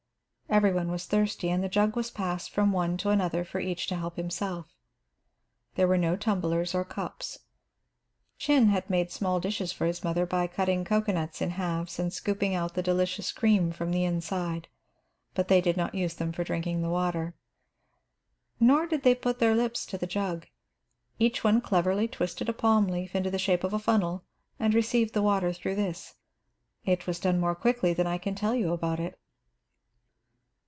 Every one was thirsty, and the jug was passed from one to another for each to help himself. There were no tumblers nor cups. Chin had made small dishes for his mother by cutting cocoanuts in halves and scooping out the delicious cream from the inside; but they did not use them for drinking the water. Nor did they put their lips to the jug. Each one cleverly twisted a palm leaf into the shape of a funnel and received the water through this. It was done more quickly than I can tell you about it.